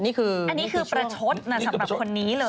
อันนี้คือประชดสำหรับคนนี้เลย